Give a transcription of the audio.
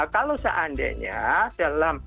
kalau seandainya dalam